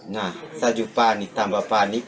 nah saya juga panik tambah panik